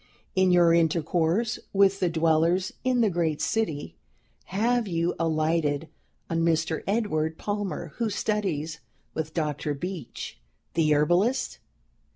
"In your intercourse with the dwellers in the great city, have you alighted on Mr. Edward Palmer, who studies with Dr. Beach, the Herbalist?